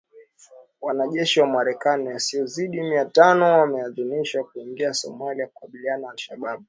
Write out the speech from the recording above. Wanajeshi wa Marekani wasiozidi mia tano wameidhinishwa kuingia Somalia kukabiliana na Al Shabaab.